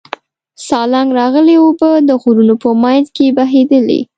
سالنګ راغلې اوبه د غرونو په منځ کې بهېدلې.